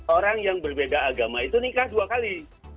orang yang berbeda agama itu nikah dua kali